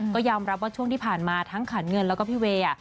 ก็ยอมรับว่าช่วงที่ผ่านมาทั้งขันเงินแล้วก็พี่เวย์